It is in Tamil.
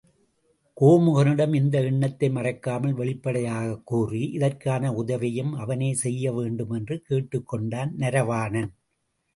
கோமுகனிடம் இந்த எண்ணத்தை மறைக்காமல் வெளிப்படையாகக் கூறி, இதற்கான உதவியையும் அவனே செய்ய வேண்டுமென்று கேட்டுக் கொண்டான் நரவாணன்.